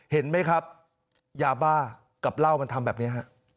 เห็นไหมครับยาบ้ากับเหล้ามันทำแบบนี้ฮะ